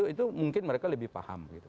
itu mungkin mereka lebih paham